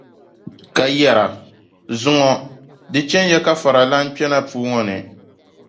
Ka yɛra, zuŋɔ di chɛn ya ka faralana kpe na puu ŋɔ ni.